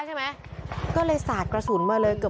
พวกมันต้องกินกันพี่